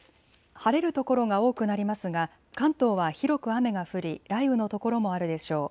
晴れる所が多くなりますが関東は広く雨が降り雷雨の所もあるでしょう。